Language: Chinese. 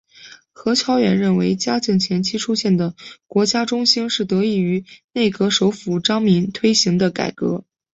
何乔远认为嘉靖前期出现的国家中兴是得益于内阁首辅张璁推行的改革。